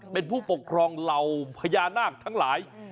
เป็นผู้ปกครองเหล่าพญานาคทั้งหลาย